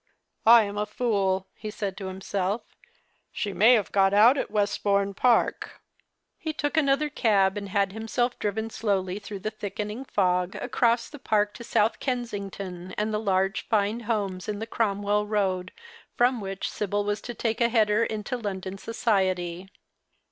"I am a fool," he said to himself; "she may have got out at Westbourne Park." He took another cab and had himself driven slowly thr(jugh the thickening fog across the park to South 80 The Christmas Hirelings. Kensington and tlie fine large house in the Cromwell Eoad, from which Sibyl was to take a header into London society.